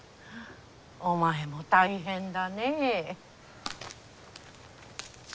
お前も大変だねぇ。